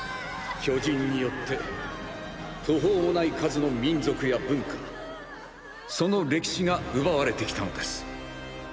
巨人によって途方もない数の民族や文化その歴史が奪われてきたのです。